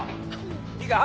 いいか？